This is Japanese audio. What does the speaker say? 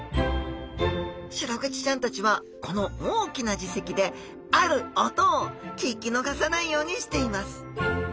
シログチちゃんたちはこの大きな耳石である音を聞き逃さないようにしています